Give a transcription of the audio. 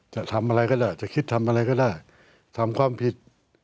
จะทำอะไรก็ได้จะคิดทำอะไรก็ได้ทำความผิด